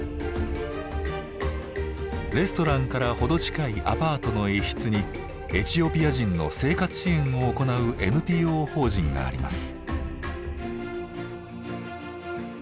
レストランから程近いアパートの一室にエチオピア人の生活支援を行うＮＰＯ法人があります。